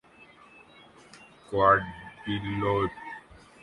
Guadeloupe